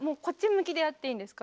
向きでやっていいんですか？